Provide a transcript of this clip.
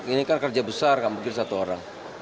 ini kan kerja besar kan mungkin satu orang